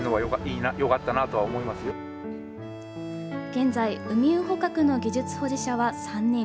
現在、ウミウ捕獲の技術保持者は３人。